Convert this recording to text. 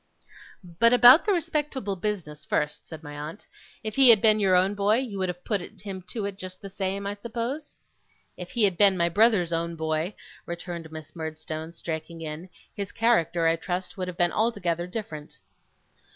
'But about the respectable business first,' said my aunt. 'If he had been your own boy, you would have put him to it, just the same, I suppose?' 'If he had been my brother's own boy,' returned Miss Murdstone, striking in, 'his character, I trust, would have been altogether different.